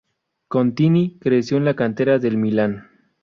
Contini creció en la cantera del Milan.